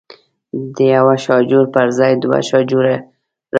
د یوه شاجور پر ځای دوه شاجوره راکړي.